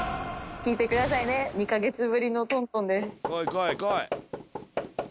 聞いてくださいね２か月ぶりのトントンです。